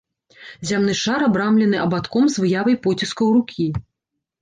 Зямны шар абрамлены абадком з выявай поціскаў рукі.